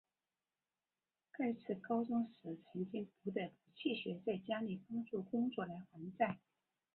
盖茨高中时曾经不得不弃学在家里帮助工作来还债。